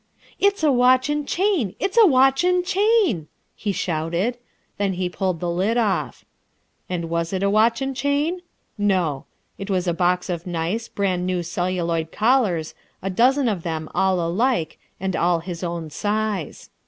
"It's a watch and chain! It's a watch and chain!" he shouted. Then he pulled the lid off. And was it a watch and chain? No. It was a box of nice, brand new celluloid collars, a dozen of them all alike and all his own size.